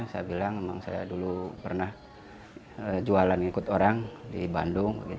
saya bilang emang saya dulu pernah jualan ikut orang di bandung